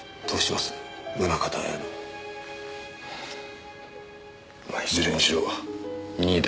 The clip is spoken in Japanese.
まあいずれにしろ任意だ。